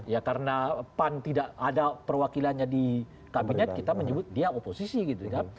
ya karena pan tidak ada perwakilannya di kabinet kita menyebut dia oposisi gitu ya